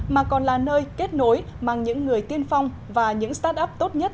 mà còn là nơi kết nối mang những người tiên phong và những start up tốt nhất